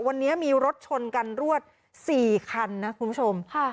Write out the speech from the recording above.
วันนี้มีรถชนกันรวด๔คันนะคุณผู้ชม